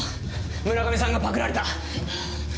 村上さんがパクられた。